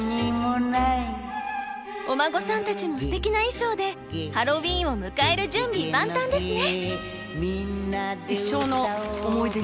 お孫さんたちもすてきな衣装でハロウィーンを迎える準備万端ですね。